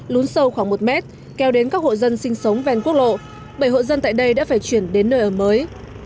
lún sâu khoảng một mét kéo đến các hộ dân sinh sống ven quốc lộ bảy hộ dân tại đây đã phải chuyển đến nơi ở mới